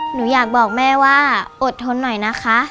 หนูอยากบอกแม่ว่าอดทนหน่อยนะคะ